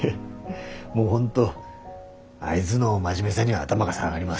もう本当あいづの真面目さには頭が下がります。